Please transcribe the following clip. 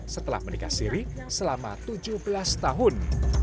setelah menikah siri selama tujuh belas tahun